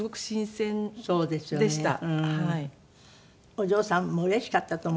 お嬢さんもうれしかったと思いますよ